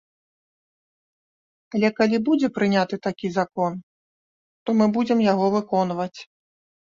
Але калі будзе прыняты такі закон, то мы будзем яго выконваць.